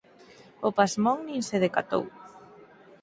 O pasmón nin se decatou.